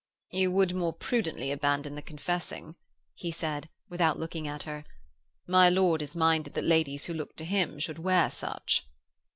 'You would more prudently abandon the confessing,' he said, without looking at her. 'My lord is minded that ladies who look to him should wear such.'